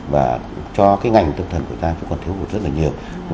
và cho cái ngành tâm thần của ta cũng còn thiếu hụt rất là nhiều